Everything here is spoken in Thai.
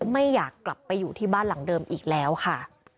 ไม่อยากกลับไปอยู่ที่บ้านหลังเดิมอีกแล้วค่ะ